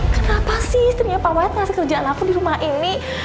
kenapa sih istrinya pak wahid ngasih kerjaan aku di rumah ini